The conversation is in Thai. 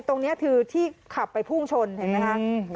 ตรงนี้คือที่ขับไปพุ่งชนเห็นไหมคะ